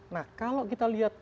nah kalau kita lihat